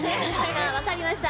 わかりました。